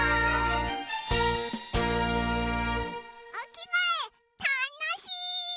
おきがえたのしい！